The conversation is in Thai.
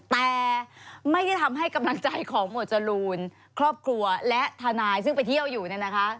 แต่ไม่ได้ทำให้กำลังใจของหมวดจรูนครอบครัวและทนายซึ่งไปเที่ยวอยู่เนี่ยนะคะ